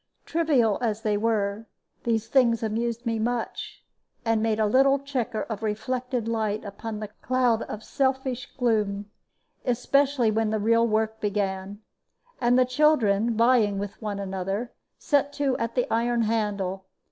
Trivial as they were, these things amused me much, and made a little checker of reflected light upon the cloud of selfish gloom, especially when the real work began, and the children, vying with one another, set to at the iron handle.